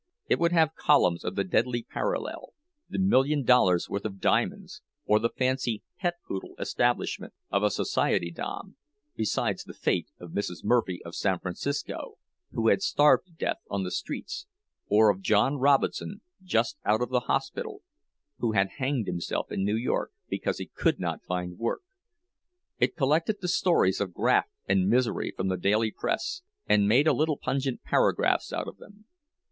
It would have columns of the deadly parallel—the million dollars' worth of diamonds, or the fancy pet poodle establishment of a society dame, beside the fate of Mrs. Murphy of San Francisco, who had starved to death on the streets, or of John Robinson, just out of the hospital, who had hanged himself in New York because he could not find work. It collected the stories of graft and misery from the daily press, and made a little pungent paragraphs out of them.